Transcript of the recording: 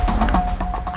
aku mau ke rumah